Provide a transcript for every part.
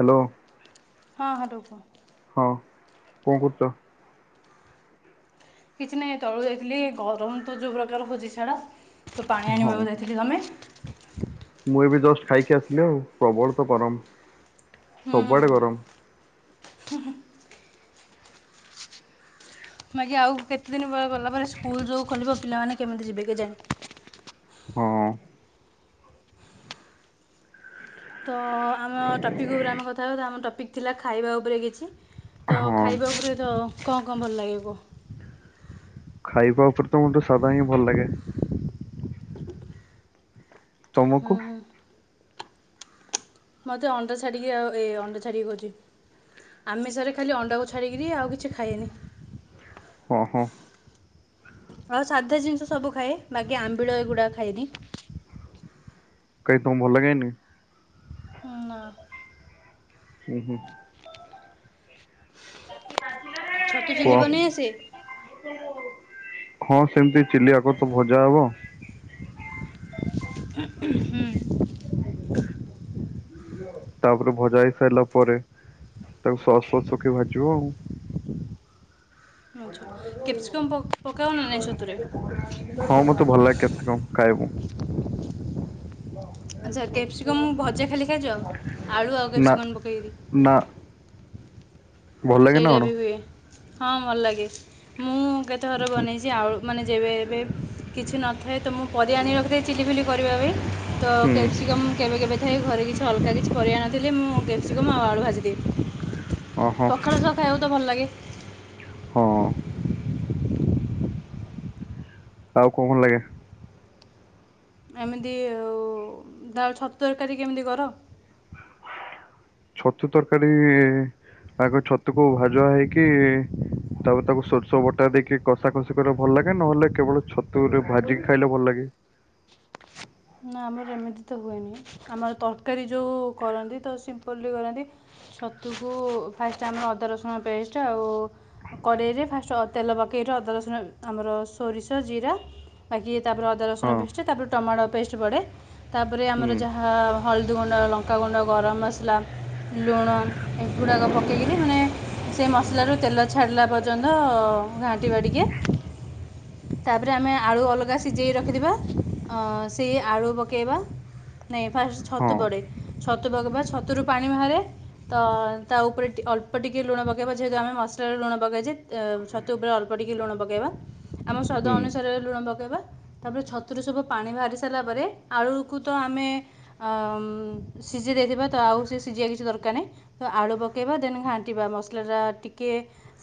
Hello. ହଁ, ହଁ, ଟୁକୁ ହଁ, କ'ଣ କରୁଛ? କିଛି ନାହିଁ ଏ ତଳକୁ ଯାଇଥିଲି ଗରମ ତ ଯୋଉ ପ୍ରକାର ହଉଛି ଛାଡ। ତ ପାଣି ହଁ ଆଣିବାକୁ ଯାଇଥିଲି। ତମେ? ମୁଁ ଏବେ ଜଷ୍ଟ ଖାଇକି ଆସିଲି ଆଉ। ପ୍ରବଳ ତ ଗରମ ହୁଁ ସବୁଆଡେ ଗରମ। ମୁଁ ଆଜି ଆଉ କେତେ ଦିନ ପରେ ଗଲା ପରେ ସ୍କୁଲ ଯୋଉ ଖୋଲିବ ପିଲାମାନେ କେମିତି ଯିବେ କି ଜାଣି? ହଁ। ତ ଆମ ଟପିକ୍ ଉପରେ ଆମେ କଥା ହେବା, ଆମ ଟପିକ୍ ଥିଲା ଖାଇବା ଉପରେ କିଛି। ତ ହଁ ଖାଇବା ଉପରେ ତ କ'ଣ କ'ଣ ଭଲ ଲାଗେ କୁହ? ଖାଇବା ଉପରେ ତ ମୋତେ ସାଧା ହିଁ ଭଲ ଲାଗେ। ହୁଁ ତମକୁ ମତେ ଅଣ୍ଡା ଛାଡିକି ଅ ଏ ଅଣ୍ଡା ଛାଡିକି କହୁଛି। ଆମିଷରେ ଖାଲି ଅଣ୍ଡାକୁ ଛାଡ଼ିକିରି ଆଉ କିଛି ଖାଏନି। ଓ ହୋ। ଆଉ ସାଧା ଜିନିଷ ସବୁ ଖାଏ, ବାକି ଆମ୍ବିଳ ଏଗୁଡା ଖାଇନି। କାଇଁ ତୁମକୁ ଭଲ ଲାଗେନି? ନା। ହୁଁ, ହୁଁ। ଛତୁ କୁହ। ଚିଲି ବନେଇ ଆସେ ହଁ ସେମିତି ଚିଲିଆକ ତ ଭଜା ହବ। ହୁଁ। ତାପରେ ଭଜା ହେଇ ସାରିଲା ପରେ, ତାକୁ ସସ୍ ଫସ୍ ପକେଇ ଭାଜିବ ଆଉ। ହଁ, ଆଚ୍ଛା କ୍ୟାପ୍ସିକମ୍ ପକାଅ ନା ନାହିଁ ଛତୁରେ ମୋତେ ଭଲ ଲାଗେ କେତେ କଣ ଖାଇବୁ? ଆଚ୍ଛା କ୍ୟାପ୍ସିକମ ଭଜା ଖାଲି ଖାଇଛ ଆଳୁ ଆଉ ନା କ୍ୟାପ୍ସିକମ୍ ପକେଇକିରି? ନା ଭଲ ଲାଗେ ନା ସେଇଟା କଣ ବି ହୁଏ। ହଁ ଭଲ ଲାଗେ। ମୁଁ କେତେଥର ବନେଇଛି ଆଉ ମାନେ ଯେବେ ଏବେ କିଛି ନଥାଏ ତ ମୁଁ ପରିବା ଆଣିବାକୁ ଯାଇଛି। ଚିଲିଫିଲି କରିବା ପାଇଁ ତ ହୁଁ କ୍ୟାପ୍ସିକମ୍ କେବେ କେବେ ଥାଏ ଘରେ କିଛି ଅଲଗା କିଛି ପରିବା ନଥିଲେ ମୁଁ କ୍ୟାପ୍ସିକମ୍ ଆଉ ଆଳୁ ଭାଜିଦିଏ। ଓହୋ ପଖାଳ ସହ ଖାଇବାକୁ ତ ଭଲ ଲାଗେ। ହଁ। ଆଉ କଣ ଭଲ ଲାଗେ? ଏମିତି ଆଉ ଦା ଛତୁ ତରକାରୀ କେମିତି କର? ଛତୁ ତରକାରୀ ଆଗ ଛତୁକୁ ଭଜା ହେଇକି ତାପରେ ତାକୁ ସୋରିଷ ବଟା ଦେଇକି କଷା କଷି କରିଲେ ଭଲ ଲାଗେ। ନହେଲେ କେବଳ ଛତୁରେ ଭାଜିକି ଖାଇଲେ ଭଲ ଲାଗେ। [inaudible] [inaudible] ନା ଆମର ଏମିତି ତ ହୁଏନି। ଆମର ତରକାରୀ ଯୋଉ କରନ୍ତି ତ ସିମ୍ପୁଲ୍‌ଲି କରନ୍ତି। ଛତୁକୁ ଫାଷ୍ଟ ଆମର ଅଦା ରସୁଣ ପେଷ୍ଟ ଆଉ କରେଇରେ ଫାଷ୍ଟ ଅ ତେଲ ପକେଇରି ଅଦା ରସୁଣ ଆମର ସୋରିଷ ଜିରା ବାକି ତାପରେ ଅଦା ରସୁଣ ହଁ ପେଷ୍ଟ ତାପରେ ଟମାଟୋ ପେଷ୍ଟ ପଡେ। ତାପରେ ହୁଁ ଆମର ଯାହା ହଳଦୀଗୁଣ୍ଡ ଲଙ୍କାଗୁଣ୍ଡ ଗରମ ମସଲା। ଲୁଣ ଏଗୁଡାକ ପକେଇକିରି ମାନେ ସେ ମସଲାରୁ ତେଲ ଛାଡିଲା ପର୍ଯ୍ୟନ୍ତ ଅ ଘାଣ୍ଟିବା ଟିକେ ତାପରେ ଆମେ ଆଳୁ ଅଲଗା ସିଝେଇକି ରଖିଥିବା ଅ ସେ ଆଳୁ ପକେଇବା, ନାଇ ଫାଷ୍ଟ ହଁ ଛତୁ ପଡ଼େ, ଛତୁ ଛତୁ ପକେଇବା, ଛତୁ ରୁ ପାଣି ବାହାରେ ତ ତା ଉପରେ ଟିକେ ଅଳ୍ପ ଟିକେ ଲୁଣ ପକେଇବା ଯେହେତୁ ଆମେ ମସଲା ରେ ଲୁଣ ପକେଇଛେ, ଛତୁ ଉପରେ ଅଳ୍ପ ଟିକେ ଲୁଣ ପକେଇବା ଆମ ସ୍ଵାଦ ହୁଁ ଅନୁସାରେ ଲୁଣ ପକେଇବା, ତାପରେ ଛତୁରେ ସବୁ ପାଣି ବାହାରି ସାରିଲା ପରେ, ଆଳୁକୁ ତ ଆମେ ଅ ସିଝେଇ ଦେଇ ଥିବା, ତ ଆଉ ସିଏ ସିଝିବା କିଛି ଦରକାର ନାହଁ। ତ ଆଳୁ ପକେଇବା ଦେନ୍ ଘାଣ୍ଟିବା। ମସଲା ଟା ଟିକେ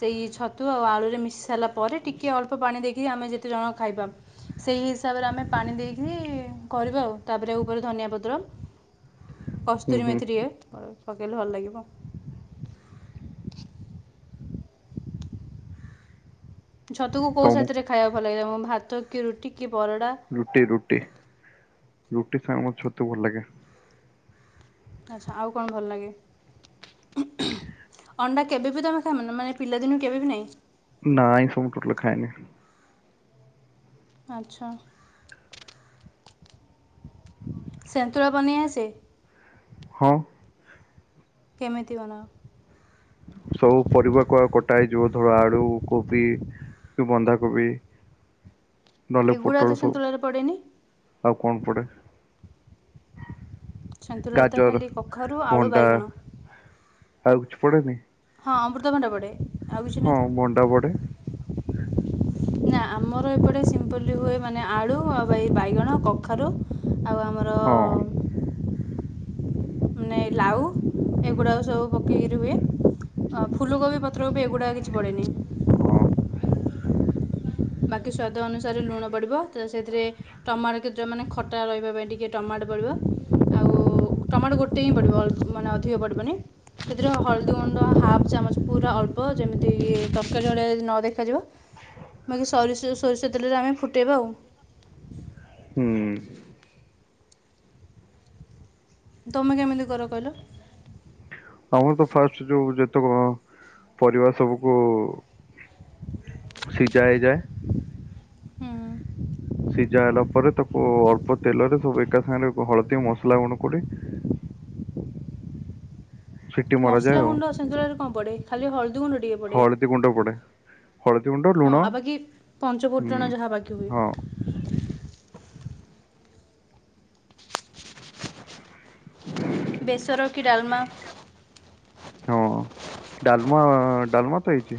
ସେଇ ଛତୁ ଆଉ ଆଳୁ ରେ ମିଶି ସାରିଲା ପରେ ଟିକେ ଅଳ୍ପ ପାଣି ଦେଇକି, ଆମେ ଯେତେ ଜଣ ଖାଇବା, ସେଇ ହିସାବରେ ଆମେ ପାଣି ଦେଇକି କରିବା ଆଉ ତାପରେ ଉପରେ ଧନିଆ ପତ୍ର ହୁଁ କସ୍ତୁରୀ ହୁଁ ମେଥି ଟିକେ ପକେଇଲେ ଭଲ ଲାଗିବ। ଛତୁକୁ କୋଉ ତମୁ ସାଥି ରେ ଖାଇବାକୁ ଭଲ ଲାଗେ ତମକୁ ଭାତ କି ରୁଟି? କି ପରଟା ରୁଟି, ରୁଟି, ରୁଟି, ଖାଇବା ମତେ ଛତୁ ଭଲ ଲାଗେ। ଆଚ୍ଛା, ଆଉ କଣ ଭଲ ଲାଗେ? ଅଣ୍ଡା କେବେବି ତମେ ଖାଇନ ମାନେ ପିଲାଦିନୁ କେବେ ବି ନାହିଁ? ନା ଆଇଁଷ ମୁଁ ଟୋଟଲ ଖାଏନି। ଆଚ୍ଛା। ସନ୍ତୁଳା ବନେଇ ଆସେ? ହଁ। କେମିତି ବନାଅ? ସବୁ ପରିବାକୁ ଆଉ କଟା ହେଇ ଯିବ ଧର ଆଳୁ, କୋବି, ତ ବନ୍ଧା କୋବି ଏ ଗୁଡ଼ା ସନ୍ତୁଳା ରେ ପଡ଼େନି! ଆଉ କଣ ପଡେ ସନ୍ତୁୁଳା ରେ ତ ଗାଜର ଖାଲି କଖାରୁ, ଆଳୁ, ଭଣ୍ଡା ବାଇଗଣ। ଆଉ କିଛି ପଡେନି? ହଁ ଅମୃତଭଣ୍ଡା ପଡ଼େ। ଆଉ କିଛି ନାହିଁ ହଁ ତ ଭଣ୍ଡା ପଡେ। ନା ଆମର ଏପଟେ ସିମ୍ପଲ ହୁଏ ମାନେ ଆଳୁ ଆଉ ଏ ବାଇଗଣ, କଖାରୁ ଆଉ ଆମର ହଁ। ମାନେ ଲାଉ ଏଗୁଡ଼ାକ ସବୁ ପକେଇକି ହୁଏ। ଆଉ ଫୁଲକୋବି, ପତ୍ରକୋବି ଏଗୁଡ଼ାକ କିଛି ପଡ଼େନି। ହଁ। ବାକି ସ୍ଵାଦ ଅନୁସାରେ ଲୁଣ ପଡିବ, ସେଥିରେ ଟମାଟୋ କେତେଟା, ମାନେ ଖଟା ରହିବା ପାଇଁ ଟିକେ ଟମାଟୋ ଆଉ, ଟମାଟୋ ଗୋଟେ ହିଁ ପଡ଼ିବ, ମାନେ ଅଧିକ ପଡ଼ିବନି ସେଥିରେ ହଳଦୀ ଗୁଣ୍ଡ ହାଫ ଚାମଚ, ପୁରା ଅଳ୍ପ ଯେମିତି ତରକାରୀ ଭଳି ନ ଦେଖାଯିବ ବାକି ସୋରିଷ, ସୋରିଷ ତେଲରେ ଆମେ ଫୁଟେଇବା ଆଉ। ହୁଁ ତୁମେ କେମିତି କର କହିଲ? ଆମର ତ ଫାଷ୍ଟ ଯୋଉ ଯେତେ କଣ ପରିବା ସବୁକୁ ସିଜା ହେଇଯାଏ। ହୁଁ। ସିଜା ହେଲା ପରେ ତାକୁ ଅଳ୍ପ ତେଲରେ ସବୁ ଏକା ସାଙ୍ଗରେ ହଳଦୀ ମସଲା ଗୁଣ୍ଡ କରି ସିଟି ମରାଯାଏ ମସଲା ଆଉ ଗୁଣ୍ଡ ସିନ୍ତୁଳାରେ କଁ ପଡ଼େ ଖାଲି ହଳଦୀ ଗୁଣ୍ଡ ଟିକେ ପଡ଼େ। ହଳଦୀ ଗୁଣ୍ଡ ପଡେ ହଳଦୀ ଗୁଣ୍ଡ ହଁ ଲୁଣ ଆଉ ବାକି ହୁଁ। ପଞ୍ଚଫୁଟଣ ଯାହା ବାକି ହଁ ହୁଏ। ବେସର କି ଡାଲମା? ହଁ ଡାଲମା ଡାଲମା ତ ହେଇଚି।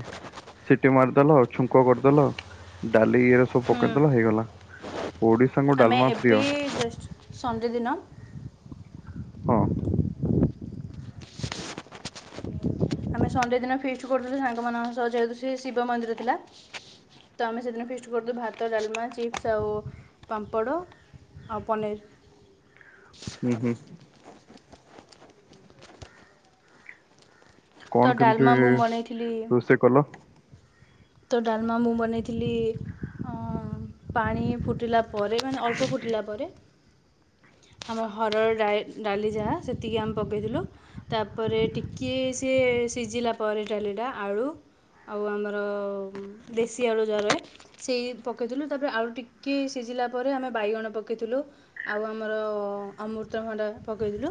ସିଟି ମାରିଦେଲ ଛୁଙ୍କ କରିଦେଲ ଡାଲି ଇଏରେ ସବୁ ହୁଁ, ପକେଇଦେଲ ହେଇଗଲା। ଓଡିଶାଙ୍କୁ ଆମେ ଡାଲମା ପ୍ରିୟ ଏବେ ହଁ ଜଷ୍ଟ ସନଡ଼େ ଦିନ ହଁ। ଆମେ ସଣ୍ଡେ ଦିନ ଫିଷ୍ଟ୍ କରୁଥୁଲୁ ସାଙ୍ଗମାନଙ୍କ ସହ ଯେହେତୁ ସିଏ ଶିବ ମନ୍ଦିର ଥିଲା ତ ଆମେ ସେଦିନ ଫିଷ୍ଟ କରୁତୁ ଭାତ ଡାଲମା ଚିପ୍ସ୍ ଆଉ ପାମ୍ପଡ଼। ଆଉ ପନିର୍। ହୁଁ ହୁଁ। ତ କଣ କେମତି ଡାଲମା ମୁଁ ବନେଇଥିଲି ରୋଷେଇ କଲ? ତ ଡାଲମା ମୁଁ ବନେଇଥିଲି ଅଁ ଅଁ ପାଣି ଫୁଟିଲା ପରେ ମାନେ ଅଳ୍ପ ଫୁଟିଲା ପରେ ଆମ ହରର ଡାଇ ଡାଲି ଯାହା ସେତିକି ଆମେ ପକେଇଥିଲୁ ତାପରେ ଟିକିଏ ସିଏ ସେ ସିଜିଲା ପରେ ଡାଲିଟା ଆଳୁ ଆଉ ଆମର ଉମ୍ ଦେଶୀଆଳୁ ଯା ରଏ ସେଇ ପକେଇଥିଲୁ ତାପରେ ଆଳୁ ଟିକେ ସିଜିଲା ପରେ ଆମେ ବାଇଗଣ ପକେଇଥୁଲୁ ଆଉ ଆମର ଅମୃତଭଣ୍ଡା ପକେଇଥିଲୁ।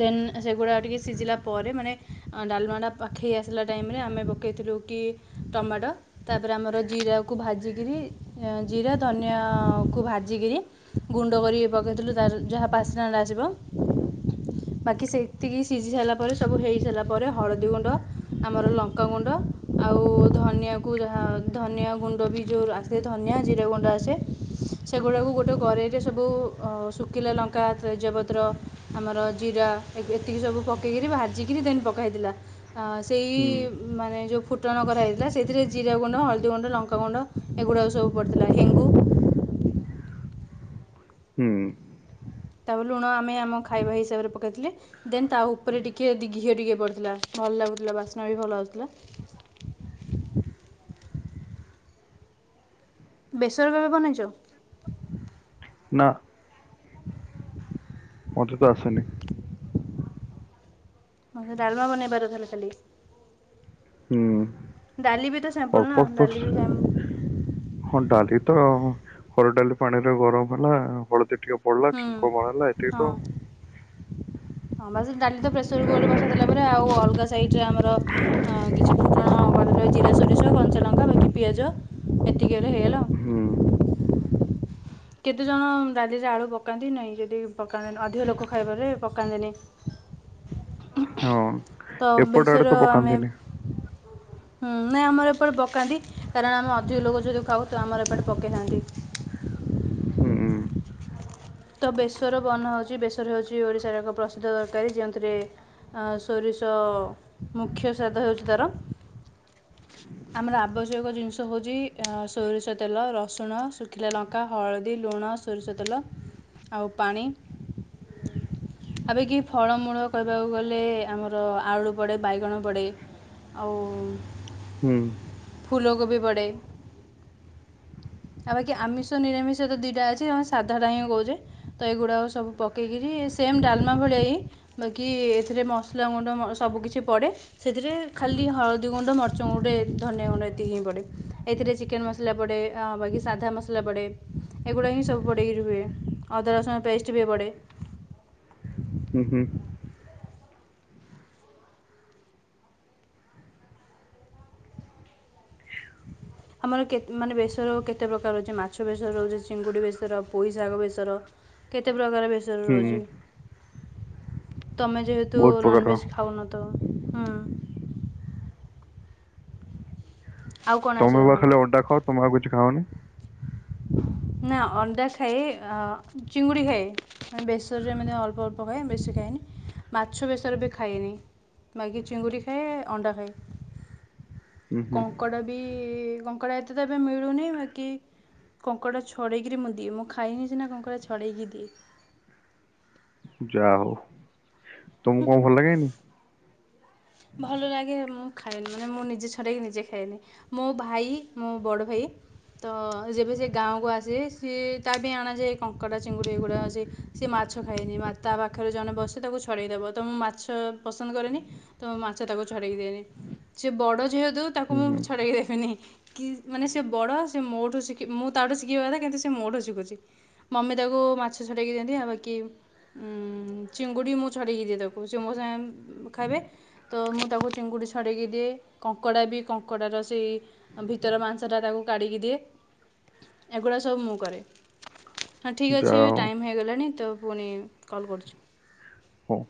ଦେନ୍ ସେଗୁଡ଼ା ଟିକେ ସିଜିଲା ପରେ ମାନେ ଅ ଡାଲମା ଟା ପାଖେଇ ଆସିଲା ଟାଇମ୍ ରେ ଆମେ ପକେଇ ଥିଲୁ କି ଟମାଟ ତାଦୁରେ ଆମର ଜିରାକୁ ଭାଜିକିରି ଏଁ ଜିରା ଧନିଆକୁ ଭା ଜିକିରି ଗୁଣ୍ଡ କରିକି ପକେଇଥିଲୁ ତାର ଯାହା ବାସ୍ନାଟା ଆସିବ। ବାକି ସେତିକି ସିଜି ସାଇଲା ପରେ ସବୁ ହେଇ ସାଇଲା ପରେ ହଳଦୀ ଗୁଣ୍ଡ ଆମର ଲଙ୍କାଗୁଣ୍ଡ ଆ ଆଉ ଧନିଆକୁ ଯାହା ଧନିଆ ଗୁଣ୍ଡ ବି ଯୋଉ ଆସେ ଧନିଆ ଜିରା ଗୁଣ୍ଡ ଆସେ। ସେଗୁଡ଼ାକୁ ଗୋଟେ କରେଇରେ ସବୁ ଅ ରସ ଶୁକିଲା ଲଙ୍କା ତେଜପତ୍ର ଆମର ଜିରା ଏକ୍ ଏତିକି ସବୁ ପକେଇକିରି ଭାଜିକିରି ଦେନ୍ ପକାହେଇଥିଲା ଆ ସେଇ ହୁଁ ମାନେ ଯୋଉ ଫୁଟଣ କରାହେଇଥିଲା ସେଇଥିରେ ଜିରା ଗୁଣ୍ଡ ହଳଦୀ ଗୁଣ୍ଡ ଲଙ୍କାଗୁଣ୍ଡ ଏଗୁଡ଼ାକ ସବୁ ପଡ଼ିଥିଲା ହେଙ୍ଗୁ [inaudible] ହୁଁ। ତାପରେ ଲୁଣ ଆମେ ଆମ ଖାଇବା ହିସାବରେ ପକାଇଥିଲେ ଦେନ୍ ତା ଉପରେ ଟିକେ ଦି ଘିଅ ଟିକେ ପଡ଼ିଥିଲା। ଭଲ ଲାଗୁଥୁଲା ବାସ୍ନା ବି ଭଲ ଆଉଥୁଲା। ବେସର କେବେ ବନେଇଚ? ନାଁ। ମତେ ତ ଆସେନି। ଆଉ ସେ ଡାଲମା ବନେଇ ପାର ତାହାଲେ ଖାଲି। ହୁଁ ଡାଲି ବି ତ ସାମ୍ପୁଲ୍ ଅଳ୍ପ ନାଁ ଅଳ୍ପ ଡାଲି ବି ସ- ସେମ୍। ହଁ ଡାଲି ତ ହରଡ଼ ଡାଲି ପାଣିରେ ଗରମ ହେଲା ହଳଦୀ ଟିକେ ପଡ଼ିଲା ଛୁଙ୍କ ମରାହେଲା ଏତିକି ହଁ ତ ଆଉ। ହଁ ବା ସେ ଡାଲି ତ ପ୍ରେସର୍ କୁକର୍ ରେ ବସେଇଦେଲା ପରେ ଆଉ ଅଲଗା ଚେ ଆମର ଅଁ କିଛି [inaudible] ଅଁ ଘରେ ରୁହେ ଜିରା ଷୋରିଷ କଞ୍ଚା ଲଙ୍କା ବାକି ପିଆଜ ଏତିକି ହେଲେ ହେଇଗଲା ହୁଁ। କେତେଜଣ ଡାଲିରେ ଆଳୁ ପକାନ୍ତି ନାଇଁ ଯଦି ପକାନ୍ତିନି ଅଧିକ ଲୋକ ଖାଇବାରେ ପକାନ୍ତିନେଇ। ହଁ ତ ଏପଟ ଆଡେ ବେସର ତ ଆମେ ପକାନ୍ତିନି ହୁଁ ନାଇଁ ଆମର ଏପଟେ ପକାନ୍ତି କାରଣ ଆମେ ଅଧିକ ଲୋକ ଯଦି ଖାଉ ତ ଆମର ଏପଟେ ପକେଇଥାନ୍ତି। [inaudible] ହୁଁ। ତ ବେସର ବନା ହେଉଛି ବେସର ହେଉଛି ଓଡ଼ିଶାର ଏକ ପ୍ରସିଦ୍ଧ ତରକାରୀ ଯେଉଁଥିରେ ଅଁ ସୋରିଷ ମୁଖ୍ୟ ସ୍ୱାଦ ହେଉଛି ତାର ଆମର ଆବଶ୍ୟକ ଜିନିଷ ହେଉଛି ସୋରିଷ ତେଲ ରସୁଣ ଶୁଖିଲା ଲଙ୍କା ହଳଦୀ ଲୁଣ ଲୁଣ ସୋରିଷ ତେଲ ଆଉ ପାଣି ଆବେ କି ଫଳମୂଳ କହିବାକୁ ଗଲେ ଆମର ଆଳୁ ପଡ଼େ ବାଇଗଣ ପଡ଼େ ଆଉ ହୁଁ। ଫୁଲକୋବି ପଡ଼େ ଆଉ ବାକି ଆମିଷ ନିରାମିଷ ତ ଦିଟା ଅଛି। ତମେ ସାଧା ଟା ହିଁ କହୁଛେ ତ ଏଇଗୁଡା ସବୁ ପକେଇକିରି ସେମ୍ ଡାଲମା ଭଳିଆ ହିଁ ବାକି ଏଥିରେ ମସଲା ଗୁଣ୍ଡ ସବୁ କିିଛି ପଡ଼େ ସେଥିରେ ଖାଲି ହଳଦୀ ଗୁଣ୍ଡ ମର୍ଚ୍ଚ ଗୁଣ୍ଡ ଧନିଆ ଗୁଣ୍ଡ ଏତିକ ହିଁ ପଡ଼େ। ଏଥିରେ ଚିକେନ୍ ମସଲା ପଡ଼େ ଆ ବାକି ସାଧା ମସଲା ପଡ଼େ ଏଗୁଡ଼ାକ ହିଁ ସବୁ ପଡ଼େଇକିରି ହୁଏ। ଅଦା ରସୁଣ ପେଷ୍ଟ ବି ପଡେ। ହୁଁ ହୁଁ। ଆମର କେ ମାନେ ବେସର କେତେ ପ୍ରକାର ରହୁଛି। ମାଛ ବେସର ରହୁଛି ଚିଙ୍ଗୁଡ଼ି ବେସର ପୋଇ ଶାଗ ବେସର। କେତେ ପ୍ରକାର ବେସର ହୁଁ ରହୁଛି। ତମେ ଯେହେତୁ ବହୁତ ପ୍ରକାର ନନଭେଜ ଖାଉନ ତ ହୁଁ। ଆଉ କ'ଣ ଆସେ ତମେ ବା ତମକୁ ଖାଲି ଅଣ୍ଡା ଖାଅ। ତମେ ଆଉ କିଛି ଖାଅନି? ହଁ ନା ଅଣ୍ଡା ଖାଏ। ଅ ଚିଙ୍ଗୁଡ଼ି ଖାଏ ମାନେ ବେସରରେ ଏମିତି ଅଳ୍ପ ଅଳ୍ପ ଖାଏ ବେଶୀ ଖାଏ ନି ମାଛ ବେଶର ବି ଖାଏନି। ବାକି ଚିଙ୍ଗୁଡ଼ି ଖାଏ ଅଣ୍ଡା ଖାଏ। ହୁଁ ହୁଁ କଙ୍କଡା ବି କଙ୍କଡା ଏତେ ତ ଏବେ ମିଳୁନି ବାକି କଙ୍କଡ଼ା ଛଡ଼େଇକିରି ମୁଁ ଦିଏ ମୁଁ ଖାଇନି ସିନା କଙ୍କଡ଼ା ଛଡ଼େଇକି ଦିଏ। ଯା ହୋଉ। ଭଲ ଲାଗେ ମୁ ଖାଏନି ମାନେ ମୁଁ ନିଜେ ଛଡେଇକି ନିଜେ ଖାଏନି। ମୋ ଭାଇ ମୋ ବଡ ଭାଇ ତ ଯେବେ ସେ ଗାଁକୁୁ ଆସେ ସିଏ ତା ପାଇଁ ଅନା ଯାଏ କଙ୍କଡା ଚିଙ୍ଗୁଡି ଏଗୁଡା ଅ ସେ ମା ମାଛ ଖାଇନି ମା ତା ପାଖରେ ଜଣେ ବସ ତାକୁ ଛଡ଼ାଇଦେବ ତ ମୁଁ ମାଛ ପସନ୍ଦ କରେନି ତ ମାଛ ତାକୁ ଛ ଛଡ଼େଇକି ଦେନି ସିଏ ବଡ଼ ଯେହେତୁ ତାକୁ ହୁଁ ମୁଁ ହୁଁ ଛଡ଼େଇ ଦେବିନି। କି ମାନେ ସେ ବଡ଼ ସେ ମୋଠୁ ଶିଖ ମୁଁ ତାଠୁ ଶିଖିବା କଥା କିନ୍ତୁ ସେ ମୋ ଠୁ ଶିଖୁଛି ମମି ତାକୁ କୋଉ ମାଛ ଛଡେଇକି ଦିଅନ୍ତି ଆଉ ବାକି ଉମ ଚିଙ୍ଗୁଡି ମୁ ଛଡେଇକି ଦିଏ ତାକୁ ସେ ମୋ ସାଙ୍ଗେ ଖାଇବେ ତ ତାକୁ ଚିଙ୍ଗୁଡ଼ି ଛଡ଼େଇକି ଦିଏ କଙ୍କଡ଼ା ବି କଙ୍କଡ଼ାର ସେଇ ଭିତର ମାଂସଟା ତାକୁ କାଢ଼ିକି ଦିଏ ଏଗୁଡ଼ା ସବୁ ମୁଁ କରେ। ହଁ ଠିକ୍ ଅଛି ଯାହା ଏବେ ହଉ ଟାଇମ୍ ହେଇଗଲାଣି ତ ପୁଣି କଲ୍ କରୁଛି। ହଁ।